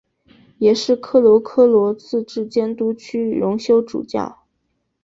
也是科罗科罗自治监督区荣休主教。